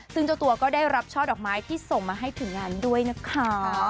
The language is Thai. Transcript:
ซึ่งเจ้าตัวก็ได้รับช่อดอกไม้ที่ส่งมาให้ถึงงานด้วยนะคะ